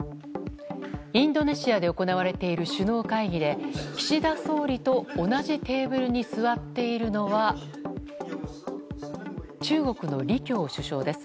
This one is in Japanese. インドネシアで行われている首脳会議で岸田総理と同じテーブルに座っているのは中国の李強首相です。